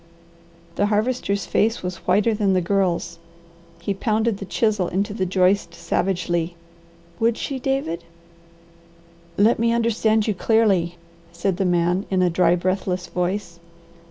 The Harvester's face was whiter than the Girl's. He pounded the chisel into the joist savagely. "Would she, David?" "Let me understand you clearly," said the man in a dry, breathless voice.